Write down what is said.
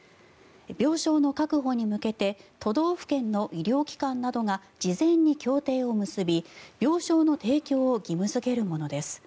病床の確保に向けて都道府県の医療機関などが事前に協定を結び、病床の提供を義務付けるものです。